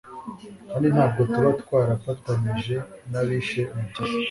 kandi ntabwo tuba twarafatanije n'abishe Umukiza.